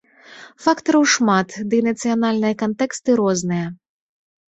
Фактараў шмат, дый нацыянальныя кантэксты розныя.